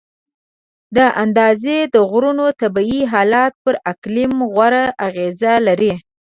د اندیز د غرونو طبیعي حالت پر اقلیم غوره اغیزه لري.